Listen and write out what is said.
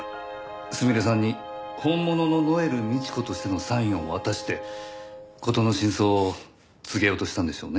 すみれさんに本物のノエル美智子としてのサインを渡して事の真相を告げようとしたんでしょうね。